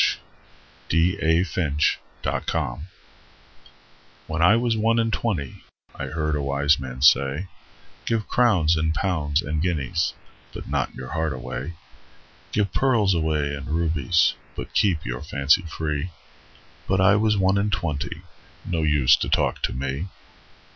When I was one and twenty WHEN I was one and twentyI heard a wise man say,'Give crowns and pounds and guineasBut not your heart away; Give pearls away and rubiesBut keep your fancy free.'But I was one and twenty, No use to talk to me.